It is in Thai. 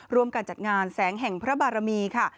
ร่วมการจัดงานแสงแห่งพระบารมีค่ะ